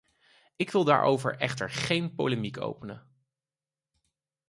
Ik wil daarover echter geen polemiek openen.